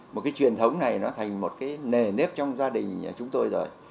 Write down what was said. một cái truyền thống này nó thành một cái nề nếp trong gia đình nhà chúng tôi rồi